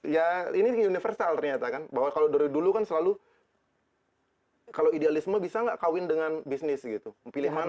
ya ini universal ternyata kan bahwa kalau dari dulu kan selalu kalau idealisme bisa nggak kawin dengan bisnis gitu pilih mana